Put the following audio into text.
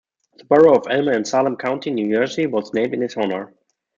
The Borough of Elmer in Salem County, New Jersey was named in his honor.